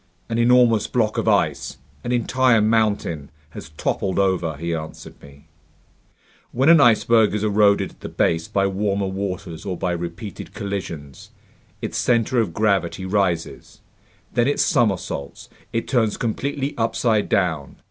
"An enormous block of ice, an entire mountain, has toppled over," he answered me. "When an iceberg is eroded at the base by warmer waters or by repeated collisions, its center of gravity rises. Then it somersaults, it turns completely upside down.